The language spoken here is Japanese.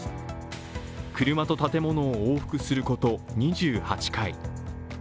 車と建物を往復すること２８回。